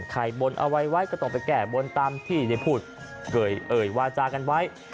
บนเอาไว้ไว้ก็ต้องไปแก้บนตามที่ได้พูดเอ่ยเอ่ยวาจากันไว้